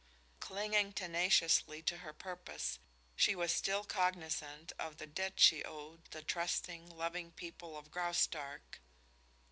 Clinging tenaciously to her purpose, she was still cognizant of the debt she owed the trusting, loving people of Graustark.